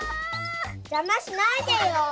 じゃましないでよ！